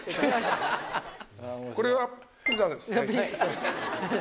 これはピザですね。